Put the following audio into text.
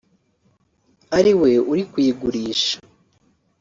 ari we uri kuyigurisha